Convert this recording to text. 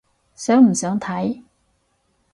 想唔想睇？